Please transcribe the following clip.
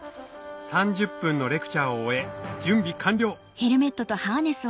３０分のレクチャーを終え準備完了